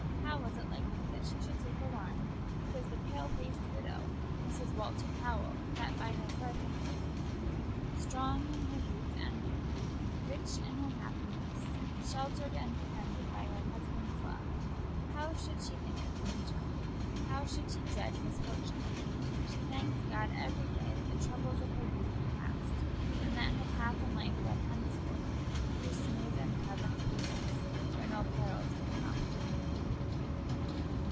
How was it likely that she should take alarm because the pale faced widow, Mrs. Walter Powell, sat by her hearth and hated her? Strong in her youth and beauty, rich in her happiness, sheltered and defended by her husband's love, how should she think of danger? How should she dread misfortune? She thanked God every day that the troubles of her youth were past, and that her path in life led henceforth through smooth and pleasant places, where no perils could come.